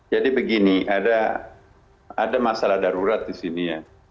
jadi begini ada masalah darurat di sini ya